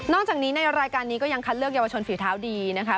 จากนี้ในรายการนี้ก็ยังคัดเลือกเยาวชนฝีเท้าดีนะคะ